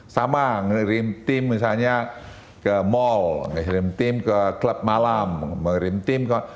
sama ngirim tim misalnya ke mall ngirim tim ke club malam ngirim tim ke